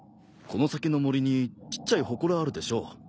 この先の森にちっちゃいほこらあるでしょ。